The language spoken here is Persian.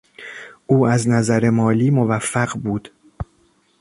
او از نظر مالی موفق بود.